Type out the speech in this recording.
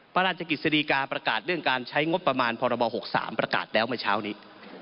พระราชกิจสดีกาประกาศเรื่องการใช้งบประมาณพรบ๖๓ประกาศแล้วเมื่อเช้านี้